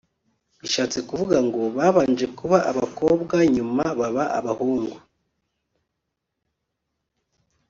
bishatse kuvuga ngo babanje kuba abakobwa nyuma baba abahungu